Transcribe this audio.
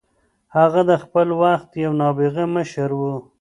هغه د خپل وخت یو نابغه مشر و.